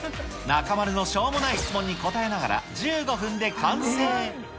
中丸のしょうもない質問に答えながら、１５分で完成。